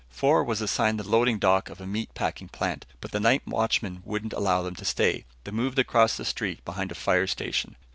Four was assigned the loading dock of a meat packing plant, but the night watchman wouldn't allow them to stay. They moved across the street behind a fire station.